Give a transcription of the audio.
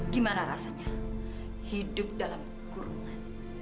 gimana rasanya hidup dalam kurungan